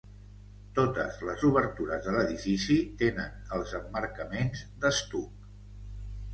Totes les obertures de l'edifici tenen els emmarcaments d'estuc.